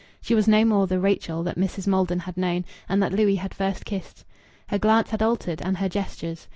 She was no more the Rachel that Mrs. Maldon had known and that Louis had first kissed. Her glance had altered, and her gestures.